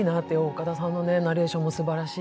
岡田さんのナレーションもすばらしい。